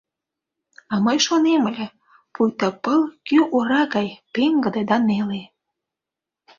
А мый шонем ыле, пуйто пыл кӱ ора гай пеҥгыде да неле.